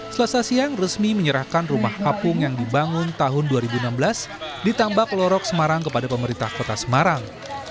selasa siang resmi menyerahkan rumah kapung yang dibangun tahun dua ribu enam belas di tambak lorok semarang kepada pemerintah kota semarang